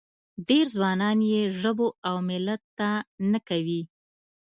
ډېر ځوانان یې ژبو او ملت ته نه کوي.